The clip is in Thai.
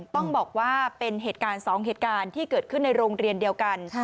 ต้องบอกว่าเป็นเหตุการณ์๒เหตุการณ์ที่เกิดขึ้นในโรงเรียนเดียวกัน